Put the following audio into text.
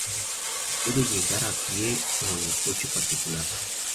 Se puede llegar a pie o en coche particular.